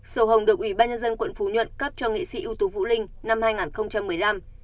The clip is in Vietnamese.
sổ hồng được ủy ban nhân dân quận phú nhuận cấp cho nghệ sĩ ưu tú vũ linh năm hai nghìn một mươi năm